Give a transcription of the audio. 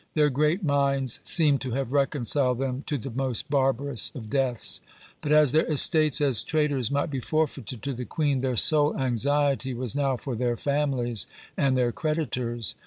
Their great minds seemed to have reconciled them to the most barbarous of deaths; but as their estates as traitors might be forfeited to the queen, their sole anxiety was now for their families and their creditors.